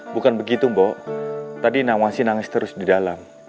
bukan begitu mbok tadi nawasi nangis terus di dalam